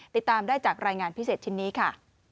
ติดตามได้จากรายงานพิเศษชิ้นนี้ค่ะ